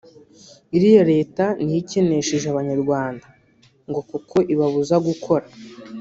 iriya leta niyo ikenesheje abanyarwanda ngo kuko ibabuza gukora